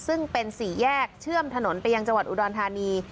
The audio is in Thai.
ซึ่งเป็นสี่แยกเชื่อมถนนไปยังจังหวัดอุดรธานี